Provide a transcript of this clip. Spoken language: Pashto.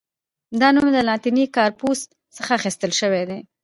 دا نوم له لاتیني «کارپوس» څخه اخیستل شوی دی.